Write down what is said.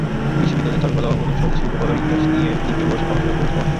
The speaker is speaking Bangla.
বিশ্ববিদ্যালয়ের চারুকলা অনুষদে শিল্পকলার ইতিহাস নিয়ে দ্বিতীয় বর্ষে পড়াশোনা করছেন অর্থী।